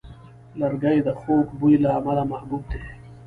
لرګی د خوږ بوی له امله محبوب دی.